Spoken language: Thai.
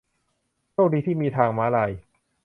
โชคดีที่มีทางม้าลาย